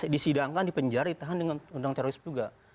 disidangkan dipenjara ditahan dengan undang teroris juga